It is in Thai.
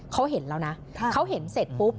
เขาเห็นแล้วนะเขาเห็นเสร็จปุ๊บ